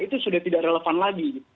itu sudah tidak relevan lagi